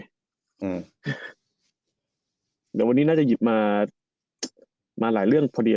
เดี๋ยววันนี้น่าจะหยิบมาหลายเรื่องพอดี